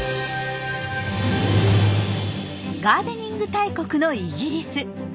ガーデニング大国のイギリス。